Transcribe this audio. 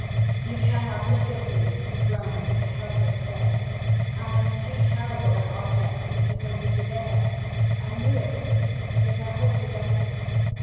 'You cannot look at me!' he groaned in a hopeless way. 'I am too terrible an object even for you to bear! I knew it; yet I hoped against it.